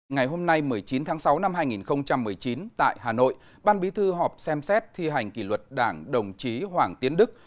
ngày hôm nay một mươi chín tháng sáu năm hai nghìn một mươi chín tại hà nội ban bí thư họp xem xét thi hành kỷ luật đảng đồng chí hoàng tiến đức